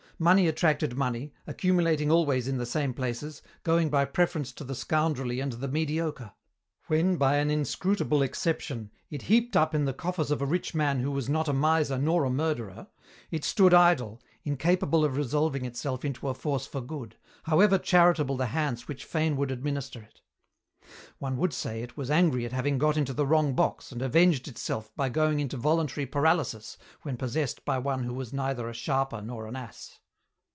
Money attracted money, accumulating always in the same places, going by preference to the scoundrelly and the mediocre. When, by an inscrutable exception, it heaped up in the coffers of a rich man who was not a miser nor a murderer, it stood idle, incapable of resolving itself into a force for good, however charitable the hands which fain would administer it. One would say it was angry at having got into the wrong box and avenged itself by going into voluntary paralysis when possessed by one who was neither a sharper nor an ass.